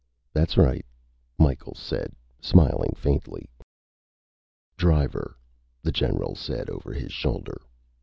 "That's right," Micheals said, smiling faintly. "Driver," the general said over his shoulder.